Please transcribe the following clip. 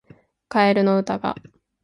カエルの歌が